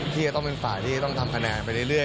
ที่จะต้องเป็นฝ่ายที่ต้องทำคะแนนไปเรื่อย